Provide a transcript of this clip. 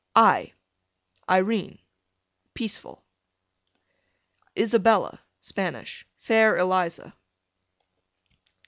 I Irene, peaceful. Isabella, Spanish, fair Eliza.